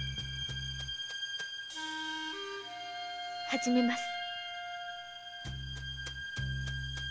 始めます。